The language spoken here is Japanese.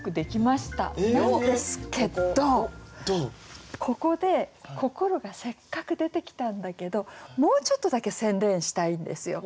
なんですけどここで「心」がせっかく出てきたんだけどもうちょっとだけ洗練したいんですよ。